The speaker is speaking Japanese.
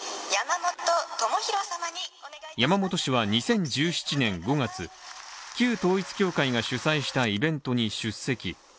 山本氏は２０１７年５月、旧統一教会が主催したイベントに出席。